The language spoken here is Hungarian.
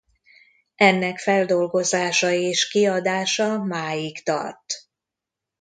Ennek feldolgozása és kiadása máig tart.